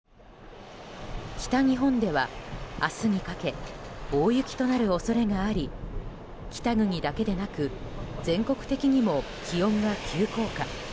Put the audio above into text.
北日本では明日にかけ大雪となる恐れがあり北国だけでなく全国的にも気温が急降下。